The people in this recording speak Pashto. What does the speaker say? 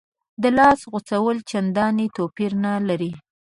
د لاس غوڅول چندانې توپیر نه لري.